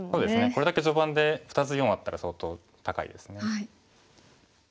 これだけ序盤で２つ４あったら相当高いですね。